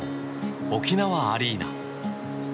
沖縄アリーナ。